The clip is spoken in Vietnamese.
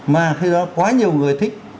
mà khi đó quá nhiều người thích